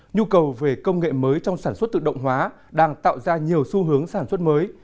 nhu cầu về công nghệ mới trong sản xuất tự động hóa đang tạo ra nhiều xu hướng sản xuất mới